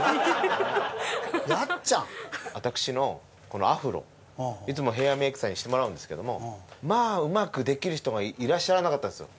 私のこのアフロいつもヘアメイクさんにしてもらうんですけどもまあうまくできる人がいらっしゃらなかったんですよ。